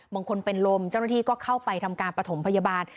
บางคนเป็นลมเจ้าหน้าที่ก็เข้าไปทำการประถมพยาบาล